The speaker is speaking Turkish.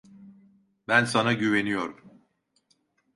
Ben sana güveniyorum.